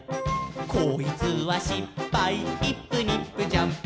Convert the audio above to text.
「こいつはしっぱいイップニップジャンプ」